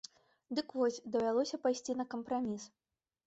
Дык вось давялося пайсці на кампраміс.